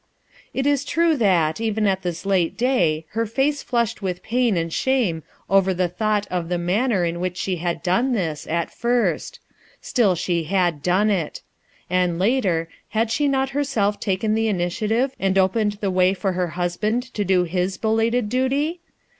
It is true that, even at this late day, her face flashed with pain and shame over the thought of the manner in which she had done this, at first j still, she had done it. And later, had she not herself taken the initiative and opened the way for her husband to do his belated duty?